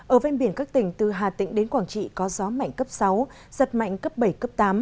ở ven biển các tỉnh từ hà tĩnh đến quảng trị có gió mạnh cấp sáu giật mạnh cấp bảy cấp tám